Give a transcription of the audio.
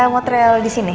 mau trail di sini